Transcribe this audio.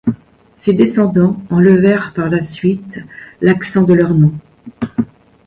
Ses descendants enlevèrent par la suite l'accent de leur nom.